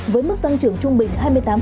với mức tăng trưởng trung bình hai mươi tám